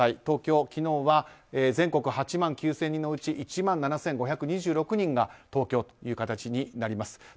東京、昨日は全国８万９０００人のうち１万７５２６人が東京という形になります。